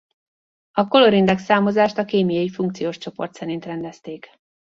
A Colour Index számozást a kémiai funkciós csoport szerint rendezték.